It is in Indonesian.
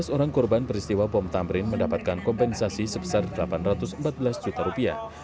lima belas orang korban peristiwa bom tamrin mendapatkan kompensasi sebesar delapan ratus empat belas juta rupiah